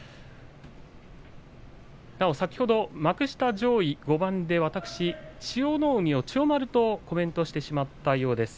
幕下上位５番で千代の海を千代丸とコメントしてしまったようです。